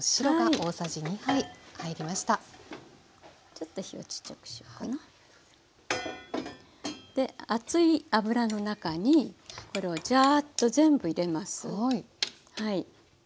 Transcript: ちょっと火をちっちゃくしようかな。で熱い油の中にこれをジャーッと全部入れます。